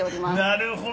なるほど。